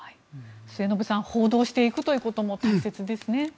末延さん報道していくということも大切ですね。